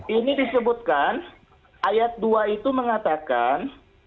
ini disebutkan ayat dua itu mengatakan